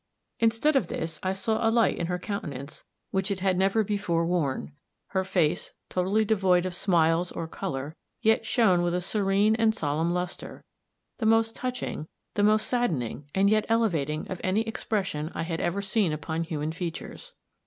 Instead of this, I saw a light in her countenance which it had never before worn; her face, totally devoid of smiles or color, yet shone with a serene and solemn luster, the most touching, the most saddening, and yet elevating, of any expression I had ever seen upon human features.